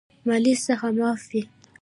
مالیې څخه معاف وي.